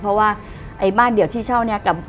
เพราะว่าบ้านเดียวที่เช่า